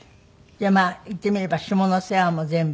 じゃあまあ言ってみれば下の世話も全部。